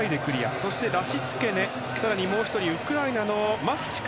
そしてラシツケネ、更にもう１人ウクライナのマフチフ。